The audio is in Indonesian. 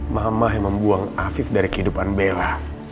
mamah yang membuang afif dari kehidupan bella